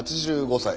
８５歳。